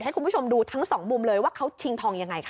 ให้คุณผู้ชมดูทั้งสองมุมเลยว่าเขาชิงทองยังไงค่ะ